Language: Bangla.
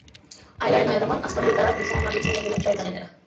আইলারে নয়া দামান আসমানেরও তেরা, বিছানা বিছাইয়া দিলাম, শাইল ধানের নেরা।